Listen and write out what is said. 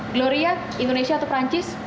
gloria indonesia atau perancis